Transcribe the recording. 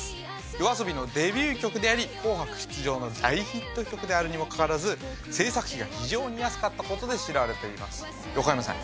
ＹＯＡＳＯＢＩのデビュー曲であり紅白出場の大ヒット曲であるにもかかわらず制作費が非常に安かったことで知られています横山さん